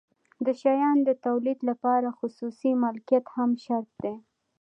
د شیانو د تولید لپاره خصوصي مالکیت هم شرط دی.